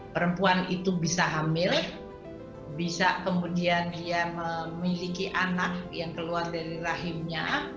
perempuan itu bisa hamil bisa kemudian dia memiliki anak yang keluar dari rahimnya